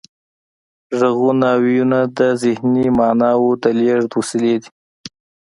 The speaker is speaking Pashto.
غږونه او وییونه د ذهني معناوو د لیږد وسیلې دي